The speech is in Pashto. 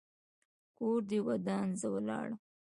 کور دې ودان؛ زه ولاړم.